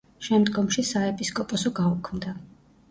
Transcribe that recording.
შემდგომში საეპისკოპოსო გაუქმდა.